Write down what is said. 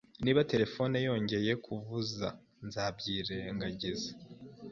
Niba terefone yongeye kuvuza, nzabyirengagiza